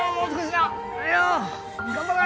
頑張れ！